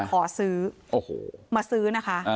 ขอซื้อมาซื้อนะคะ